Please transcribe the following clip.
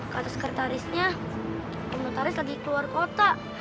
ke atas karakterisnya om notaris lagi keluar kota